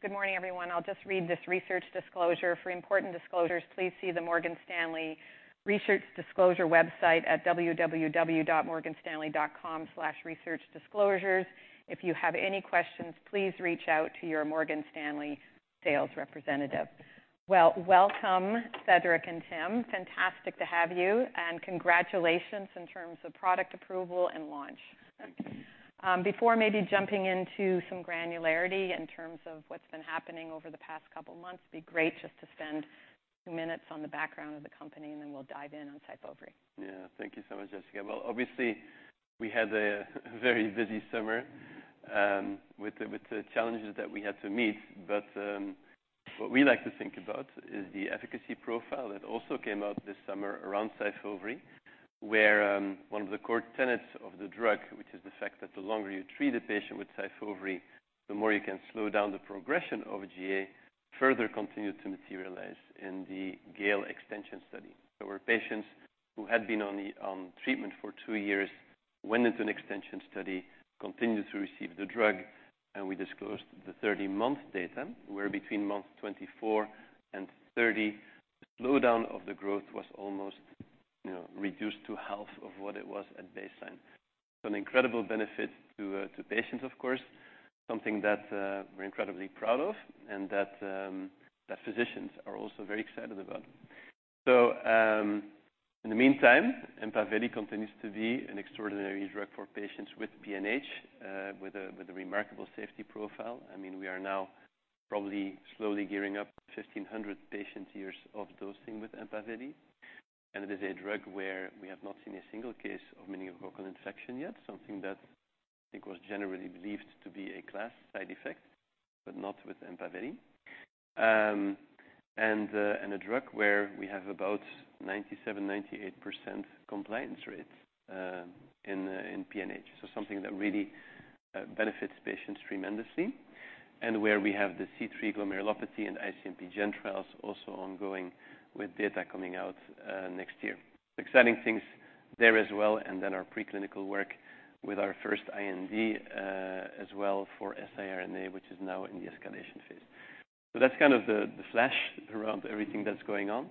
Good morning, everyone. I'll just read this research disclosure. For important disclosures, please see the Morgan Stanley Research Disclosure website at www.morganstanley.com/researchdisclosures. If you have any questions, please reach out to your Morgan Stanley sales representative. Well, welcome, Cedric and Tim. Fantastic to have you, and congratulations in terms of product approval and launch. Thank you. Before maybe jumping into some granularity in terms of what's been happening over the past couple of months, it'd be great just to spend minutes on the background of the company, and then we'll dive in on SYFOVRE. Yeah. Thank you so much, Jessica. Well, obviously, we had a very busy summer, with the challenges that we had to meet. But, what we like to think about is the efficacy profile that also came out this summer around SYFOVRE, where, one of the core tenets of the drug, which is the fact that the longer you treat a patient with SYFOVRE, the more you can slow down the progression of GA, further continued to materialize in the GALE extension study. There were patients who had been on the treatment for two years, went into an extension study, continued to receive the drug, and we disclosed the 30-month data, where between month 24 and 30, the slowdown of the growth was almost, you know, reduced to half of what it was at baseline. So an incredible benefit to patients, of course, something that we're incredibly proud of and that physicians are also very excited about. So, in the meantime, EMPAVELI continues to be an extraordinary drug for patients with PNH, with a remarkable safety profile. I mean, we are now probably slowly gearing up 1,500 patient years of dosing with EMPAVELI, and it is a drug where we have not seen a single case of meningococcal infection yet, something that I think was generally believed to be a class side effect, but not with EMPAVELI. And a drug where we have about 97%-98% compliance rates in PNH. So something that really benefits patients tremendously, and where we have the C3 glomerulopathy and IC-MPGN trials also ongoing with data coming out next year. Exciting things there as well, and then our preclinical work with our first IND as well for siRNA, which is now in the escalation phase. So that's kind of the flash around everything that's going on.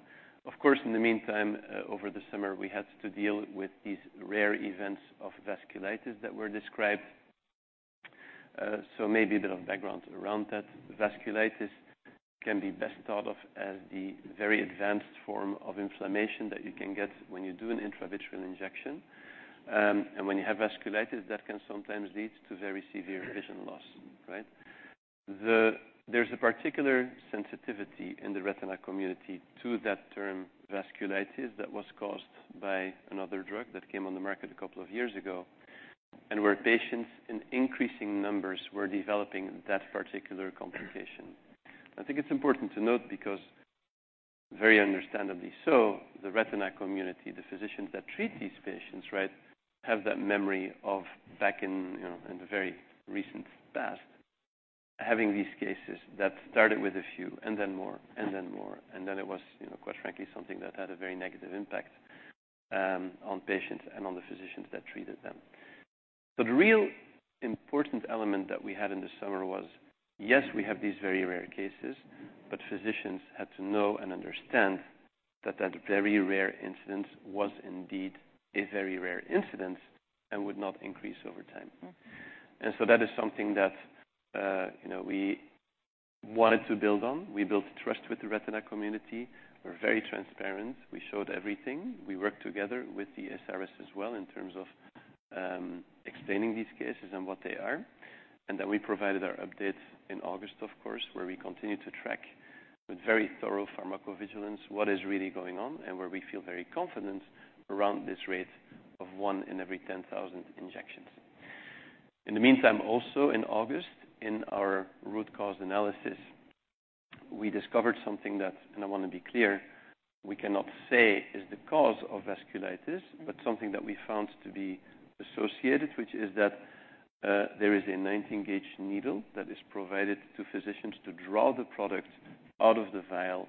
Of course, in the meantime, over the summer, we had to deal with these rare events of vasculitis that were described. So maybe a bit of background around that. Vasculitis can be best thought of as the very advanced form of inflammation that you can get when you do an intravitreal injection. And when you have vasculitis, that can sometimes lead to very severe vision loss, right? There's a particular sensitivity in the retina community to that term, vasculitis, that was caused by another drug that came on the market a couple of years ago, and where patients in increasing numbers were developing that particular complication. I think it's important to note, because very understandably so, the retina community, the physicians that treat these patients, right, have that memory of back in, you know, in the very recent past, having these cases that started with a few and then more, and then more, and then it was, you know, quite frankly, something that had a very negative impact on patients and on the physicians that treated them. But the real important element that we had in the summer was, yes, we have these very rare cases, but physicians had to know and understand that that very rare incident was indeed a very rare incident and would not increase over time. Mm. And so that is something that, you know, we wanted to build on. We built trust with the retina community. We're very transparent. We showed everything. We worked together with the ASRS as well in terms of explaining these cases and what they are. And then we provided our updates in August, of course, where we continued to track with very thorough pharmacovigilance what is really going on and where we feel very confident around this rate of 1 in every 10,000 injections. In the meantime, also in August, in our root cause analysis, we discovered something that, and I want to be clear, we cannot say is the cause of vasculitis. Mm. But something that we found to be associated, which is that there is a 19-gauge needle that is provided to physicians to draw the product out of the vial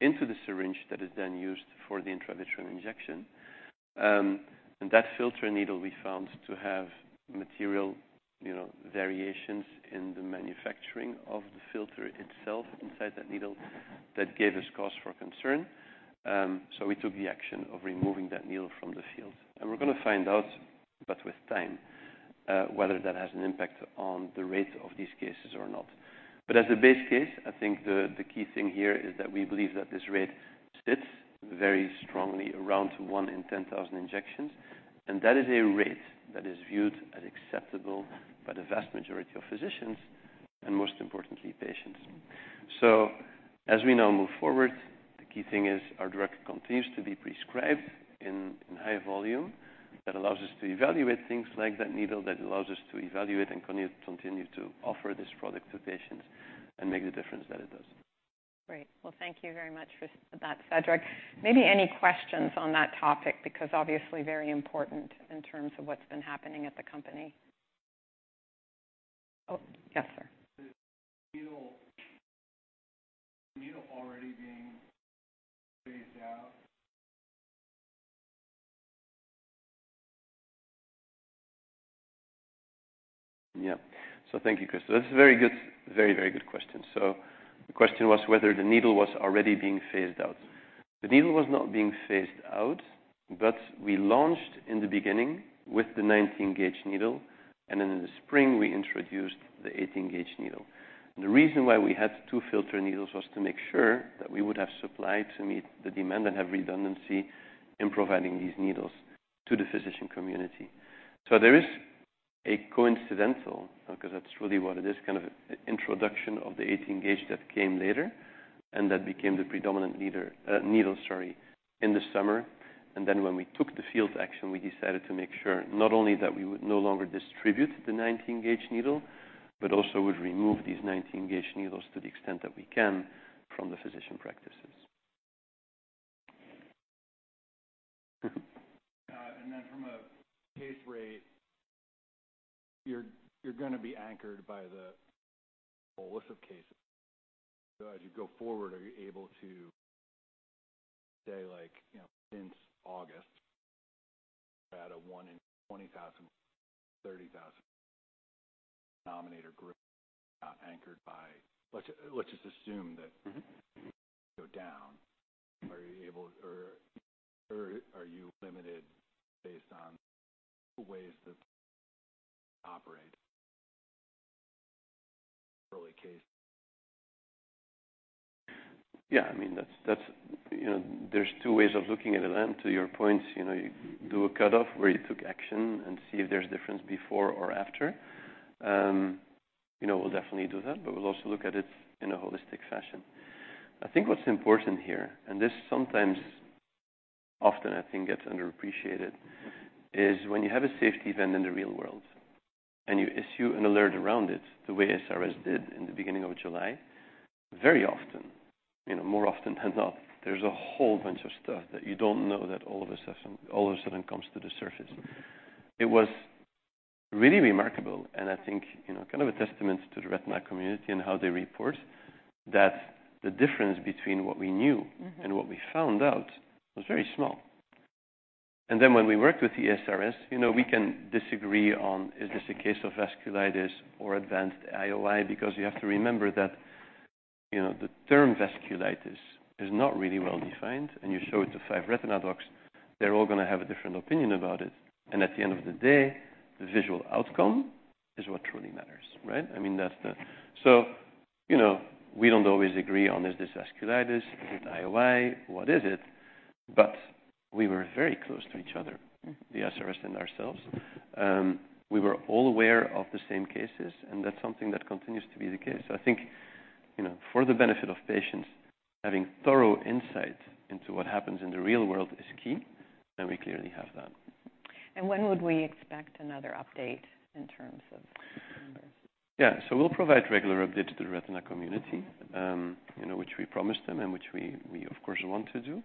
into the syringe that is then used for the intravitreal injection. That filter needle, we found to have material, you know, variations in the manufacturing of the filter itself inside that needle that gave us cause for concern, so we took the action of removing that needle from the field. We're gonna find out, but with time, whether that has an impact on the rate of these cases or not. But as a base case, I think the key thing here is that we believe that this rate sits very strongly around 1 in 10,000 injections, and that is a rate that is viewed as acceptable by the vast majority of physicians and, most importantly, patients. So as we now move forward, the key thing is our drug continues to be prescribed in high volume. That allows us to evaluate things like that needle, that allows us to evaluate and continue to offer this product to patients and make the difference that it does. Great. Well, thank you very much for that, Cedric. Maybe any questions on that topic? Because obviously very important in terms of what's been happening at the company. Oh, yes, sir. Is the needle, the needle already being phased out? Yeah. So thank you, Chris. That's a very good, very, very good question. So the question was whether the needle was already being phased out. The needle was not being phased out, but we launched in the beginning with the 19-gauge needle, and then in the spring, we introduced the 18-gauge needle. The reason why we had two filter needles was to make sure that we would have supply to meet the demand and have redundancy in providing these needles to the physician community. So there is a coincidental, because that's really what it is, kind of introduction of the 18-gauge that came later, and that became the predominant needle, sorry, in the summer. And then when we took the field action, we decided to make sure not only that we would no longer distribute the 19-gauge needle, but also would remove these 19-gauge needles to the extent that we can from the physician practices. And then from a case rate, you're gonna be anchored by the list of cases. So as you go forward, are you able to say, like, you know, since August, we had a 1 in 20,000-30,000 denominator group, not anchored by... Let's just assume that- Mm-hmm. Go down. Are you able or are you limited based on the ways that operate early case? Yeah, I mean, that's, you know, there's two ways of looking at it. And to your point, you know, you do a cutoff where you took action and see if there's a difference before or after. You know, we'll definitely do that, but we'll also look at it in a holistic fashion. I think what's important here, and this sometimes, often I think, gets underappreciated, is when you have a safety event in the real world and you issue an alert around it, the way ASRS did in the beginning of July, very often, you know, more often than not, there's a whole bunch of stuff that you don't know that all of a sudden comes to the surface. It was really remarkable, and I think, you know, kind of a testament to the retina community and how they report, that the difference between what we knew- Mm-hmm. And what we found out was very small. And then when we worked with the ASRS, you know, we can disagree on, is this a case of vasculitis or advanced IOI, because you have to remember that, you know, the term vasculitis is not really well defined. And you show it to five retina docs, they're all gonna have a different opinion about it. And at the end of the day, the visual outcome is what truly matters, right? I mean, that's the... So, you know, we don't always agree on, is this vasculitis, is it IOI? What is it? But we were very close to each other, the ASRS and ourselves. We were all aware of the same cases, and that's something that continues to be the case. I think, you know, for the benefit of patients, having thorough insight into what happens in the real world is key, and we clearly have that. When would we expect another update in terms of numbers? Yeah. So we'll provide regular updates to the retina community, you know, which we promised them and which we of course want to do.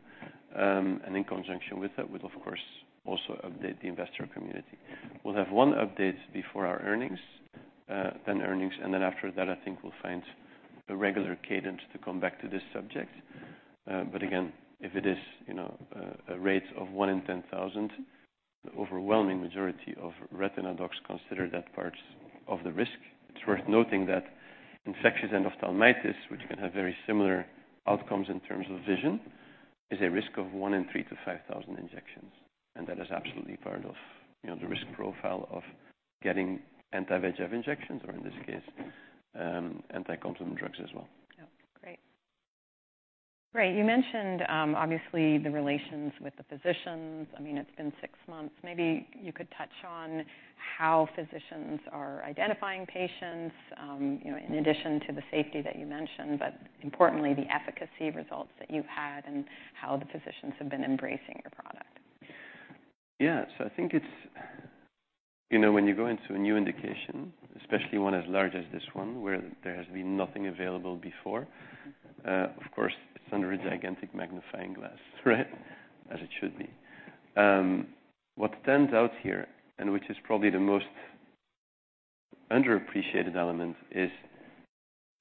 And in conjunction with that, we'll of course also update the investor community. We'll have one update before our earnings, then earnings, and then after that, I think we'll find a regular cadence to come back to this subject. But again, if it is, you know, a rate of 1 in 10,000, the overwhelming majority of retina docs consider that part of the risk. It's worth noting that infectious endophthalmitis, which can have very similar outcomes in terms of vision, is a risk of 1 in 3,000-5,000 injections, and that is absolutely part of, you know, the risk profile of getting anti-VEGF injections, or in this case, anticomplement drugs as well. Yeah. Great. Great, you mentioned, obviously, the relations with the physicians. I mean, it's been six months. Maybe you could touch on how physicians are identifying patients, you know, in addition to the safety that you mentioned, but importantly, the efficacy results that you've had and how the physicians have been embracing your product. Yeah. So I think it's... You know, when you go into a new indication, especially one as large as this one, where there has been nothing available before, of course, it's under a gigantic magnifying glass, right? As it should be. What stands out here, and which is probably the most underappreciated element, is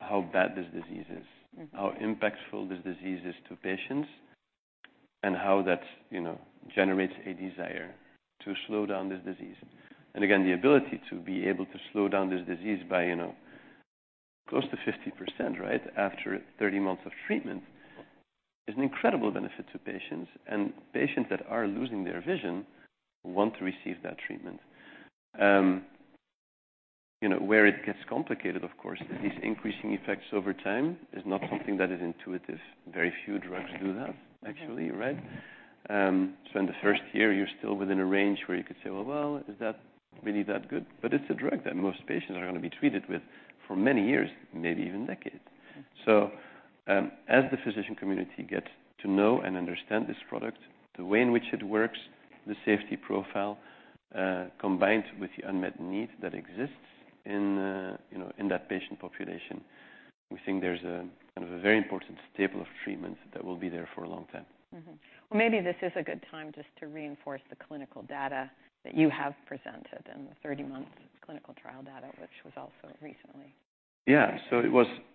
how bad this disease is. Mm. How impactful this disease is to patients, and how that, you know, generates a desire to slow down this disease. And again, the ability to be able to slow down this disease by, you know, close to 50%, right, after 30 months of treatment, is an incredible benefit to patients, and patients that are losing their vision want to receive that treatment. You know, where it gets complicated, of course, is these increasing effects over time is not something that is intuitive. Very few drugs do that, actually right? Mm-hmm. So in the first year, you're still within a range where you could say: Well, well, is that really that good? But it's a drug that most patients are gonna be treated with for many years, maybe even decades. Mm. So, as the physician community gets to know and understand this product, the way in which it works, the safety profile, combined with the unmet need that exists in, you know, in that patient population, we think there's kind of a very important stable of treatment that will be there for a long time. Mm-hmm. Well, maybe this is a good time just to reinforce the clinical data that you have presented in the 30 months... clinical trial data, which was also recently. Yeah, so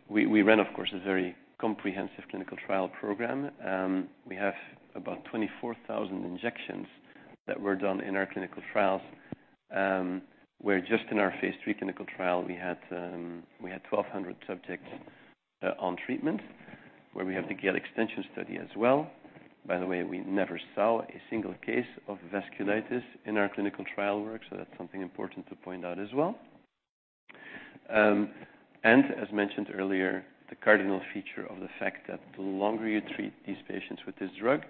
we ran, of course, a very comprehensive clinical trial program. We have about 24,000 injections that were done in our clinical trials. Where just in our phase III clinical trial, we had 1,200 subjects on treatment, where we have the GALE extension study as well. By the way, we never saw a single case of vasculitis in our clinical trial work, so that's something important to point out as well. And as mentioned earlier, the cardinal feature of the fact that the longer you treat these patients with this drug,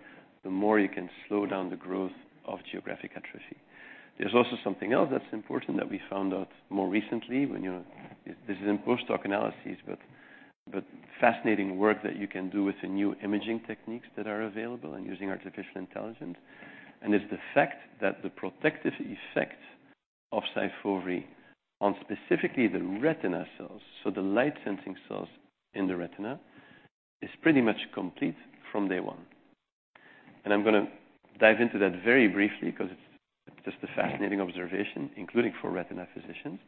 the more you can slow down the growth of geographic atrophy. There's also something else that's important that we found out more recently. This is in post hoc analyses, but fascinating work that you can do with the new imaging techniques that are available and using artificial intelligence. And it's the fact that the protective effect of SYFOVRE on specifically the retina cells, so the light sensing cells in the retina, is pretty much complete from day one. And I'm gonna dive into that very briefly because it's just a fascinating observation, including for retina physicians.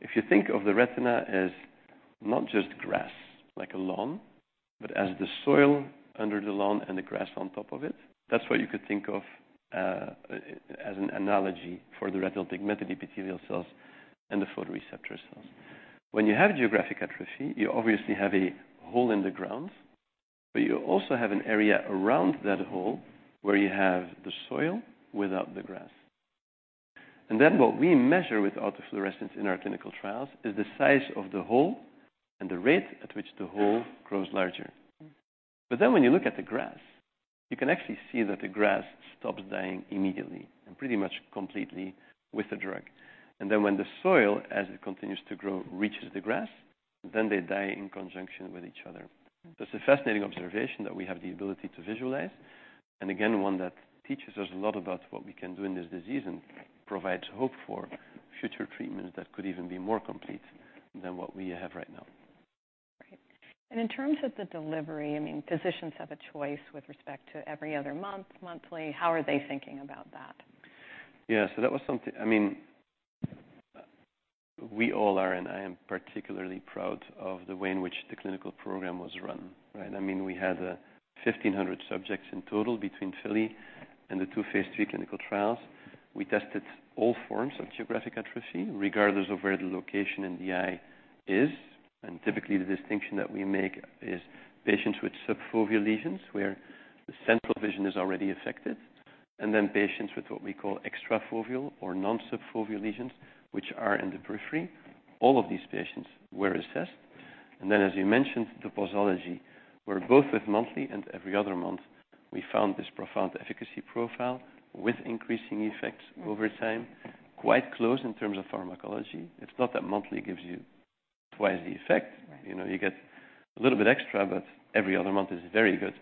If you think of the retina as not just grass, like a lawn, but as the soil under the lawn and the grass on top of it, that's what you could think of as an analogy for the retinal pigment epithelial cells and the photoreceptor cells. When you have geographic atrophy, you obviously have a hole in the ground, but you also have an area around that hole where you have the soil without the grass. And then what we measure with autofluorescence in our clinical trials is the size of the hole and the rate at which the hole grows larger. But then when you look at the grass, you can actually see that the grass stops dying immediately and pretty much completely with the drug. And then when the soil, as it continues to grow, reaches the grass, then they die in conjunction with each other. That's a fascinating observation that we have the ability to visualize, and again, one that teaches us a lot about what we can do in this disease and provides hope for future treatments that could even be more complete than what we have right now. Great. In terms of the delivery, I mean, physicians have a choice with respect to every other month, monthly. How are they thinking about that? Yeah, so that was something... I mean, we all are, and I am particularly proud of the way in which the clinical program was run, right? I mean, we had 1,500 subjects in total between FILLY and the two phase III clinical trials. We tested all forms of geographic atrophy, regardless of where the location in the eye is. And typically, the distinction that we make is patients with subfoveal lesions, where the central vision is already affected, and then patients with what we call extrafoveal or non-subfoveal lesions, which are in the periphery. All of these patients were assessed. And then, as you mentioned, the posology, where both with monthly and every other month, we found this profound efficacy profile with increasing effects over time, quite close in terms of pharmacology. It's not that monthly gives you twice the effect. Right. You know, you get a little bit extra, but every other month is very good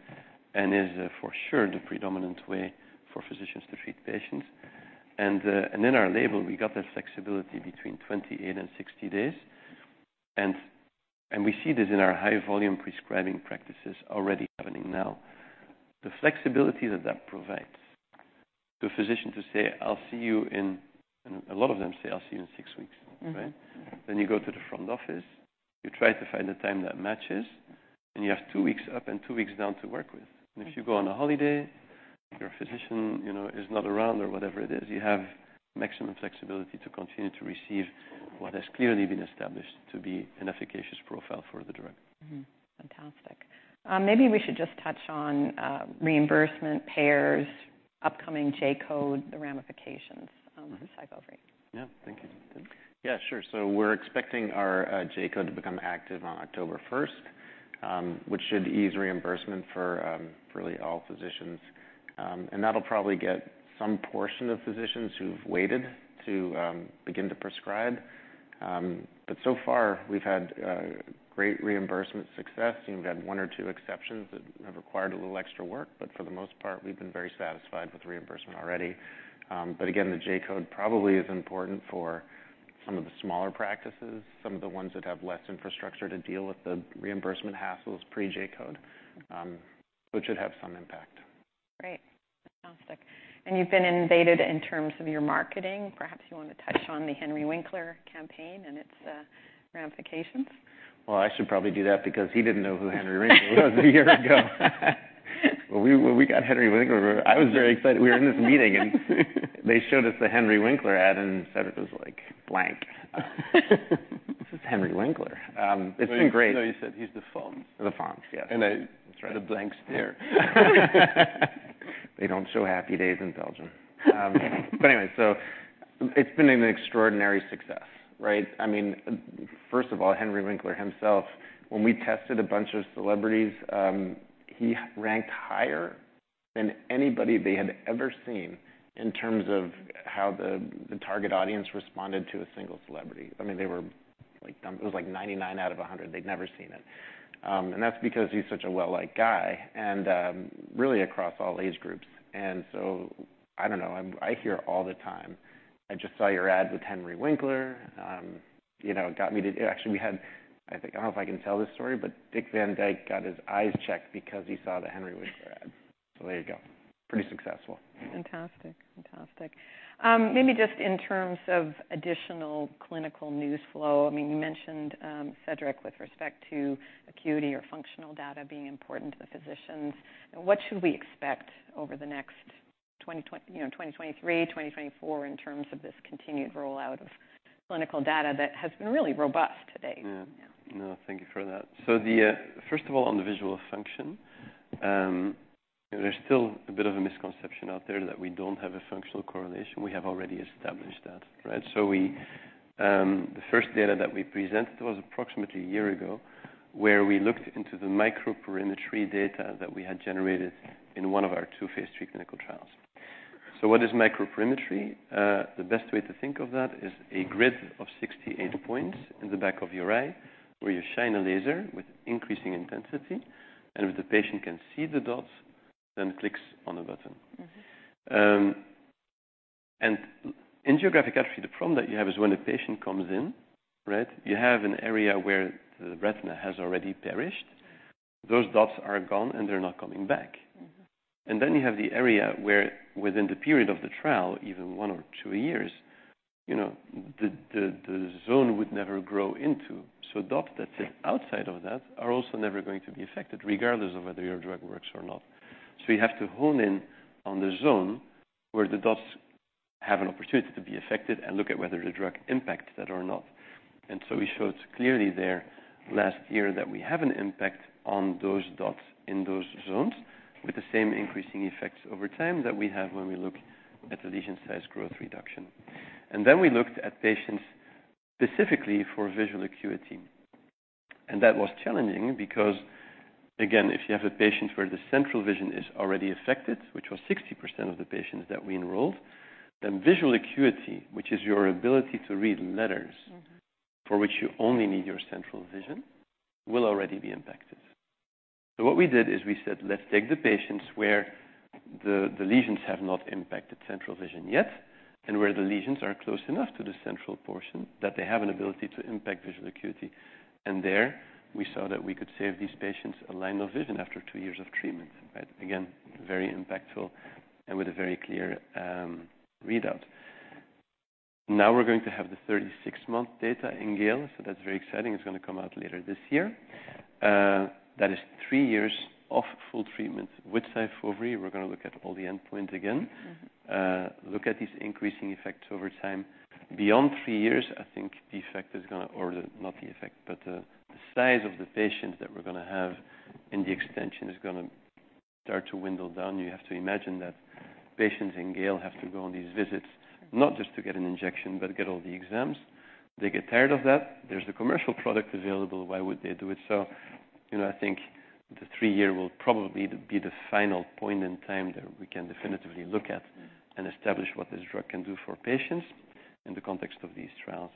and is for sure the predominant way for physicians to treat patients. And in our label, we got that flexibility between 28 and 60 days. And we see this in our high volume prescribing practices already happening now. The flexibility that that provides to a physician to say, "I'll see you in..." A lot of them say, "I'll see you in six weeks," right? Mm-hmm. Then you go to the front office, you try to find a time that matches, and you have two weeks up and two weeks down to work with. Mm-hmm. If you go on a holiday, your physician, you know, is not around or whatever it is, you have maximum flexibility to continue to receive what has clearly been established to be an efficacious profile for the drug. Mm-hmm. Fantastic. Maybe we should just touch on reimbursement, payers, upcoming J-code, the ramifications of SYFOVRE. Yeah. Thank you. Yeah, sure. So we're expecting our J-code to become active on October 1st, which should ease reimbursement for really all physicians. And that'll probably get some portion of physicians who've waited to begin to prescribe. But so far, we've had great reimbursement success, and we've had one or two exceptions that have required a little extra work, but for the most part, we've been very satisfied with reimbursement already. But again, the J-code probably is important for some of the smaller practices, some of the ones that have less infrastructure to deal with the reimbursement hassles pre J-code, which should have some impact. Great. Fantastic. And you've been invaded in terms of your marketing. Perhaps you want to touch on the Henry Winkler campaign and its ramifications? Well, I should probably do that because he didn't know who Henry Winkler was a year ago. Well, we got Henry Winkler. I was very excited. We were in this meeting and they showed us the Henry Winkler ad and said it was like blank. This is Henry Winkler. It's been great. No, you said he's the Fonz. The Fonz, yes. And I- That's right The blank stare. They don't show Happy Days in Belgium. But anyway, so it's been an extraordinary success, right? I mean, first of all, Henry Winkler himself, when we tested a bunch of celebrities, he ranked higher than anybody they had ever seen in terms of how the, the target audience responded to a single celebrity. I mean, they were like, it was like 99 out of a 100. They'd never seen it. And that's because he's such a well-liked guy, and, really across all age groups. And so I don't know. I hear all the time, "I just saw your ad with Henry Winkler," you know, "It got me to..." Actually, we had, I think—I don't know if I can tell this story, but Dick Van Dyke got his eyes checked because he saw the Henry Winkler ad. So there you go. Pretty successful. Fantastic. Fantastic. Maybe just in terms of additional clinical news flow, I mean, you mentioned, Cedric, with respect to acuity or functional data being important to the physicians. And what should we expect over the next 20, 20, you know, 2023, 2024 in terms of this continued rollout of clinical data that has been really robust to date? Yeah. Yeah. No, thank you for that. So the first of all, on the visual function, there's still a bit of a misconception out there that we don't have a functional correlation. We have already established that, right? So we, the first data that we presented was approximately a year ago, where we looked into the microperimetry data that we had generated in one of our two phase III clinical trials. So what is Microperimetry? The best way to think of that is a grid of 68 points in the back of your eye, where you shine a laser with increasing intensity, and if the patient can see the dots, then clicks on a button. Mm-hmm. In geographic atrophy, the problem that you have is when a patient comes in, right? You have an area where the retina has already perished. Right. Those dots are gone, and they're not coming back. Mm-hmm. And then you have the area where within the period of the trial, even one or two years, you know, the zone would never grow into. So dots that sit outside of that are also never going to be affected, regardless of whether your drug works or not. So you have to hone in on the zone where the dots have an opportunity to be affected and look at whether the drug impacts that or not. And so we showed clearly there last year that we have an impact on those dots in those zones, with the same increasing effects over time that we have when we look at the lesion size growth reduction. And then we looked at patients specifically for visual acuity. That was challenging because, again, if you have a patient where the central vision is already affected, which was 60% of the patients that we enrolled, then visual acuity, which is your ability to read letters- Mm-hmm For which you only need your central vision, will already be impacted. So what we did is we said, let's take the patients where the lesions have not impacted central vision yet, and where the lesions are close enough to the central portion, that they have an ability to impact visual acuity. And there, we saw that we could save these patients a line of vision after two years of treatment, right? Again, very impactful and with a very clear readout. Now we're going to have the 36-month data in GALE, so that's very exciting. It's gonna come out later this year. That is three years of full treatment with SYFOVRE. We're gonna look at all the endpoints again. Mm-hmm. Look at these increasing effects over time. Beyond three years, I think the effect is gonna... Or not the effect, but the size of the patients that we're gonna have in the extension is gonna start to whittle down. You have to imagine that patients in GALE have to go on these visits, not just to get an injection, but get all the exams. They get tired of that. There's a commercial product available. Why would they do it? So, you know, I think the three-year will probably be the final point in time that we can definitively look at- Mm-hmm And establish what this drug can do for patients in the context of these trials.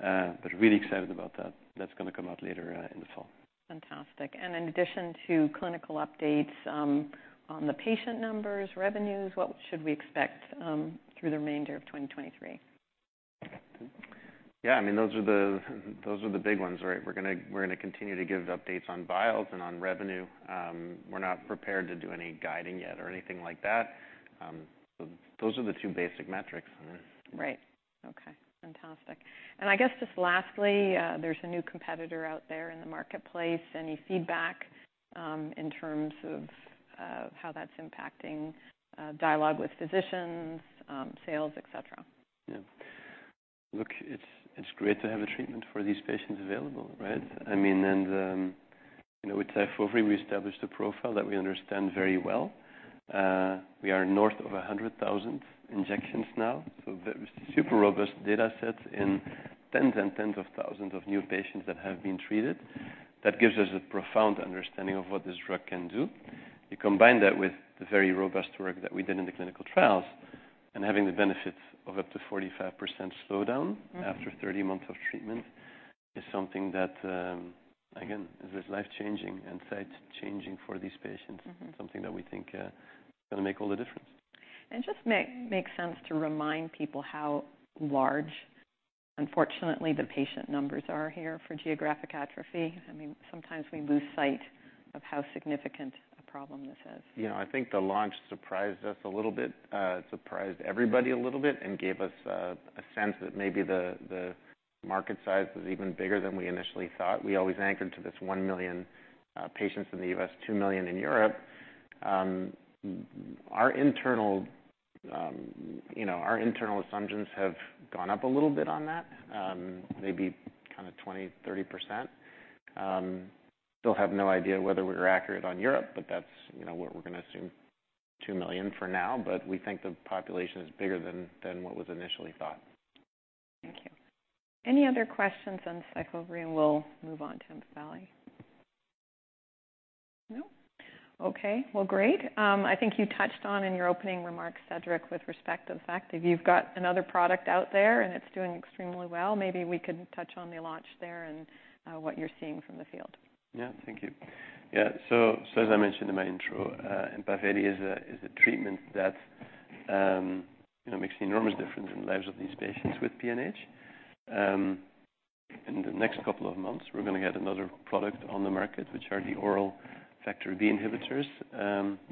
But really excited about that. That's gonna come out later, in the fall. Fantastic. In addition to clinical updates on the patient numbers, revenues, what should we expect through the remainder of 2023? Yeah, I mean, those are the, those are the big ones, right? We're gonna, we're gonna continue to give updates on vials and on revenue. We're not prepared to do any guiding yet or anything like that. So those are the two basic metrics. Right. Okay, fantastic. And I guess just lastly, there's a new competitor out there in the marketplace. Any feedback, in terms of, how that's impacting, dialogue with physicians, sales, et cetera? Yeah. Look, it's, it's great to have a treatment for these patients available, right? I mean, and, you know, with SYFOVRE, we established a profile that we understand very well. We are north of 100,000 injections now, so super robust data sets in tens and tens of thousands of new patients that have been treated. That gives us a profound understanding of what this drug can do. You combine that with the very robust work that we did in the clinical trials, and having the benefits of up to 45% slowdown- Mm-hmm After 30 months of treatment is something that, again, is life changing and sight changing for these patients. Mm-hmm. Something that we think is gonna make all the difference. Just make sense to remind people how large, unfortunately, the patient numbers are here for geographic atrophy. I mean, sometimes we lose sight of how significant a problem this is. You know, I think the launch surprised us a little bit, surprised everybody a little bit, and gave us a sense that maybe the market size was even bigger than we initially thought. We always anchored to this 1 million patients in the U.S., 2 million in Europe. Our internal, you know, our internal assumptions have gone up a little bit on that, maybe kind of 20%-30%. Still have no idea whether we're accurate on Europe, but that's, you know, what we're gonna assume, 2 million for now, but we think the population is bigger than what was initially thought. Thank you. Any other questions on SYFOVRE, and we'll move on to EMPAVELI? No? Okay, well, great. I think you touched on in your opening remarks, Cedric, with respect to the fact that you've got another product out there, and it's doing extremely well. Maybe we could touch on the launch there and what you're seeing from the field. Yeah. Thank you. Yeah, as I mentioned in my intro, EMPAVELI is a treatment that it makes an enormous difference in the lives of these patients with PNH. In the next couple of months, we're gonna get another product on the market, which are the oral Factor B inhibitors,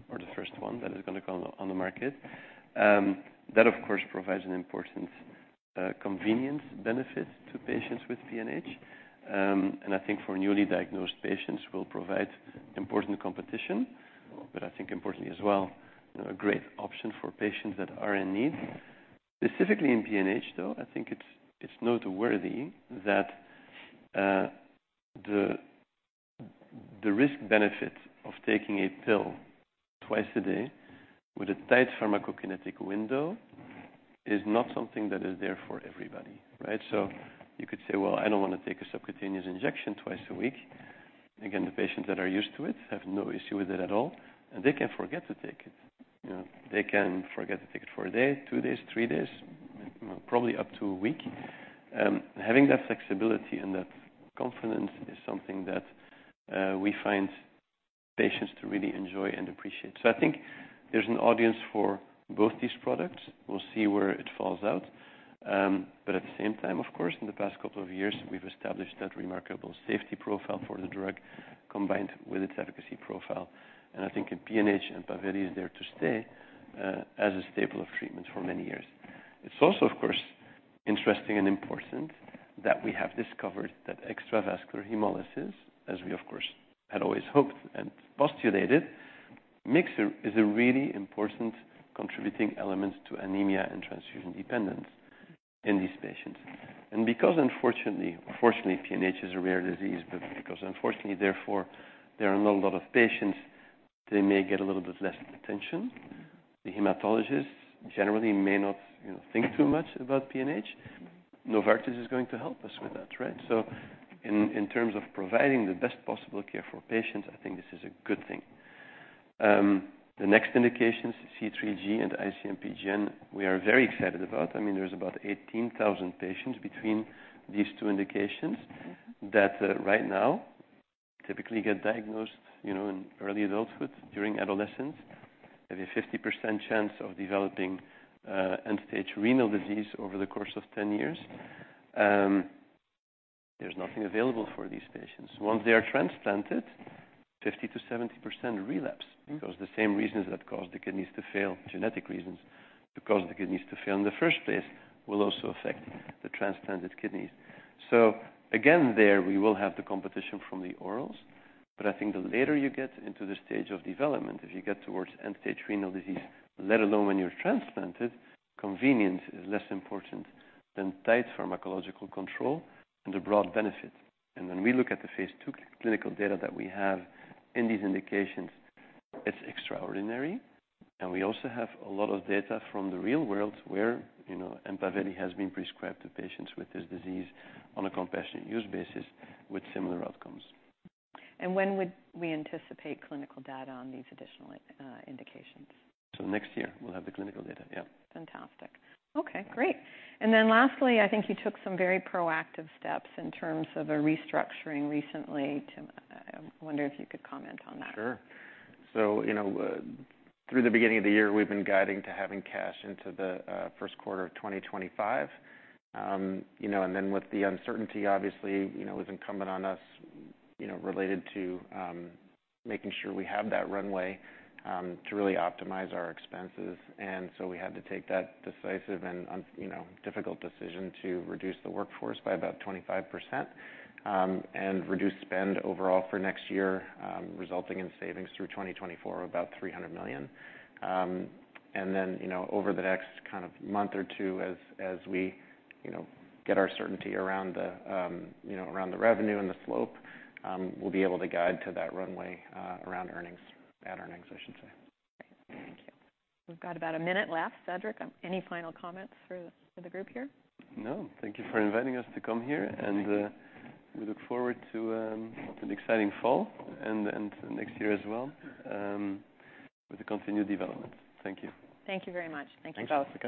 or the first one that is gonna come on the market. That, of course, provides an important convenience benefit to patients with PNH. And I think for newly diagnosed patients will provide important competition, but I think importantly as well, a great option for patients that are in need. Specifically in PNH, though, I think it's noteworthy that the risk benefit of taking a pill twice a day with a tight pharmacokinetic window is not something that is there for everybody, right? So you could say, "Well, I don't wanna take a subcutaneous injection twice a week." Again, the patients that are used to it have no issue with it at all, and they can forget to take it. You know, they can forget to take it for a day, two days, three days, probably up to a week. Having that flexibility and that confidence is something that we find patients to really enjoy and appreciate. So I think there's an audience for both these products. We'll see where it falls out. At the same time, of course, in the past couple of years, we've established that remarkable safety profile for the drug, combined with its efficacy profile. I think in PNH, EMPAVELI is there to stay, as a staple of treatment for many years. It's also, of course, interesting and important that we have discovered that extravascular hemolysis, as we, of course, had always hoped and postulated, is a really important contributing element to anemia and transfusion dependence in these patients. Because unfortunately, fortunately, PNH is a rare disease, but because unfortunately, therefore, there are not a lot of patients, they may get a little bit less attention. The hematologist generally may not, you know, think too much about PNH. Novartis is going to help us with that, right? So in terms of providing the best possible care for patients, I think this is a good thing. The next indications, C3G and IC-MPGN, we are very excited about. I mean, there's about 18,000 patients between these two indications- Mm-hmm. That, right now typically get diagnosed, you know, in early adulthood, during adolescence, have a 50% chance of developing end-stage renal disease over the course of 10 years. There's nothing available for these patients. Once they are transplanted, 50%-70% relapse, because the same reasons that caused the kidneys to fail, genetic reasons, that caused the kidneys to fail in the first place, will also affect the transplanted kidneys. So again, there, we will have the competition from the orals, but I think the later you get into the stage of development, if you get towards end-stage renal disease, let alone when you're transplanted, convenience is less important than tight pharmacological control and the broad benefit. And when we look at the phase II clinical data that we have in these indications, it's extraordinary. We also have a lot of data from the real world where, you know, EMPAVELI has been prescribed to patients with this disease on a compassionate use basis with similar outcomes. When would we anticipate clinical data on these additional indications? So next year, we'll have the clinical data. Yeah. Fantastic. Okay, great. And then lastly, I think you took some very proactive steps in terms of a restructuring recently, Tim. I wonder if you could comment on that. Sure. So, you know, through the beginning of the year, we've been guiding to having cash into the first quarter of 2025. You know, and then with the uncertainty, obviously, you know, it was incumbent on us, you know, related to making sure we have that runway to really optimize our expenses. And so we had to take that decisive and, you know, difficult decision to reduce the workforce by about 25%, and reduce spend overall for next year, resulting in savings through 2024 of about $300 million. And then, you know, over the next kind of month or two, as we, you know, get our certainty around the, you know, around the revenue and the slope, we'll be able to guide to that runway around earnings, at earnings, I should say. Great. Thank you. We've got about a minute left. Cedric, any final comments for the group here? No. Thank you for inviting us to come here, and we look forward to an exciting fall and next year as well, with the continued development. Thank you. Thank you very much. Thank you both.